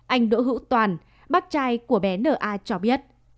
anh đỗ hữu toàn bác trai của bé na cho biết